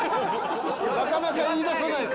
なかなか言い出さないから。